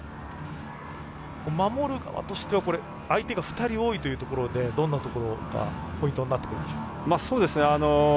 守る側としては相手が２人多いというところでどんなところがポイントになってくるでしょうか？